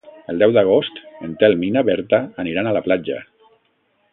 El deu d'agost en Telm i na Berta aniran a la platja.